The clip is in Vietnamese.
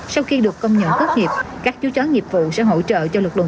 sau khi được công nhận tốt nghiệp các chú chó nghiệp vụ sẽ hỗ trợ cho lực lượng